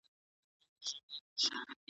ورته ضرور دي دا دواړه توکي .